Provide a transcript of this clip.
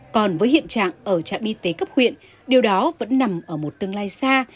còn với hiện trạng ở trạm y tế cấp huyện điều đó vẫn nằm ở một tương lai xa